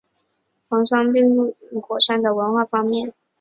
黄山上遍布的摩崖石刻也展现了黄山的文化方面。